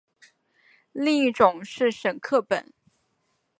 另一种是沈刻本。